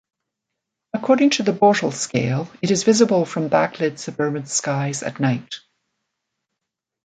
According to the Bortle scale, it is visible from backlit suburban skies at night.